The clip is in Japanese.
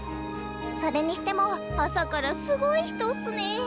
それにしても朝からすごい人っすねえ。